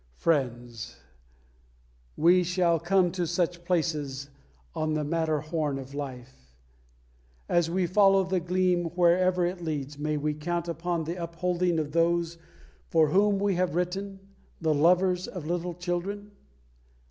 Friends, we shall come to such places on the Matterhorn of life. As we follow the Gleam wherever it leads, may we count upon the upholding of those for whom we have written the lovers of little children?